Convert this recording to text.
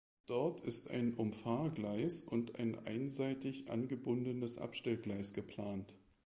Dort ist ein Umfahrgleis und ein einseitig angebundenes Abstellgleis geplant.